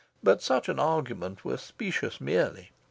But such an argument were specious merely.